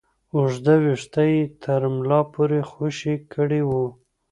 اوږده ويښته يې تر ملا پورې خوشې کړي وو.